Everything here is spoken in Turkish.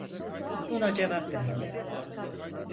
Buna cevap verme.